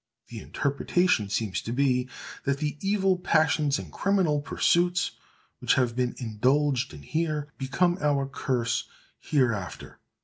The interpretation seems to be, that the evil passions and criminal pursuits which have been indulged in here, become our curse hereafter.